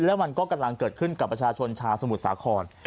แล้วมันก็กำลังเกิดขึ้นกับประชาชนชาวสมุทรสาคร